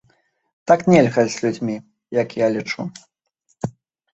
Так нельга з людзьмі, як я лічу.